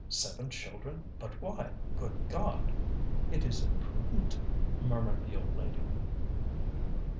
"Seven children! But why? good God!" "It is imprudent," murmured the old lady.